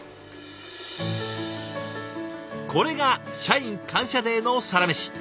これが「社員感謝デー」のサラメシ。